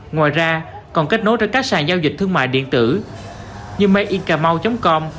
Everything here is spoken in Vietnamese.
ngoài ra còn kết nối cho các sàn giao dịch thương mại điện tử như makeincamau com